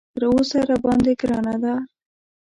تر اوسه راباندې ګرانه ده.